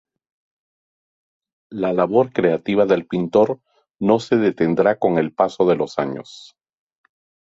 La labor creativa del pintor no se detendrá con el paso de los años.